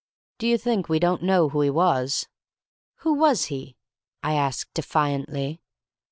"Do you think we don't know who he was?" "Who was he?" I asked, defiantly.